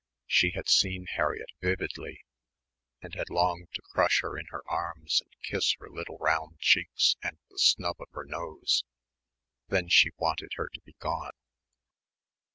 She had seen Harriett vividly, and had longed to crush her in her arms and kiss her little round cheeks and the snub of her nose. Then she wanted her to be gone.